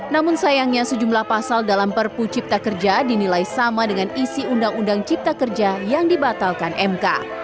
namun sayangnya sejumlah pasal dalam perpu cipta kerja dinilai sama dengan isi undang undang cipta kerja yang dibatalkan mk